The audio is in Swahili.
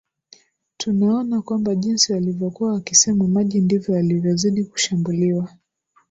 tunaona kwamba jinsi walivyokuwa wakisema maji ndivyo walivyozidi kushambuliwa